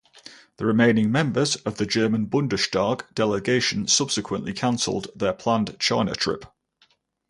The remaining members of the German Bundestag delegation subsequently cancelled their planned China trip.